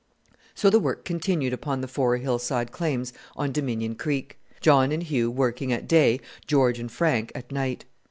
So the work continued upon the four hillside claims on Dominion Creek, John and Hugh working at day, George and Frank at night.